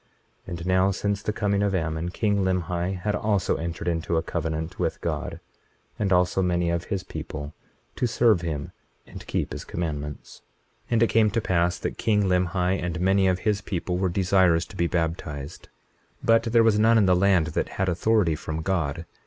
21:32 And now since the coming of Ammon, king Limhi had also entered into a covenant with God, and also many of his people, to serve him and keep his commandments. 21:33 And it came to pass that king Limhi and many of his people were desirous to be baptized; but there was none in the land that had authority from God.